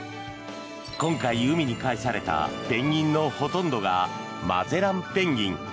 今回、海に返されたペンギンのほとんどがマゼランペンギン。